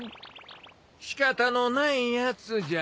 しかたのないやつじゃ。